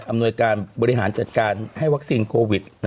หน่วยการบริหารจัดการให้วัคซีนโควิด